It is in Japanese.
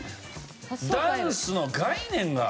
ダンスの概念が。